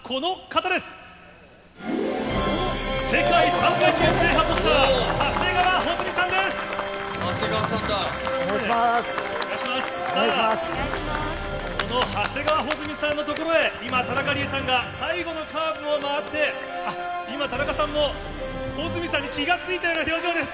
この長谷川穂積さんの所へ、今田中理恵さんが最後のカーブを回って今、田中さんも穂積さんに気が付いたような表情です。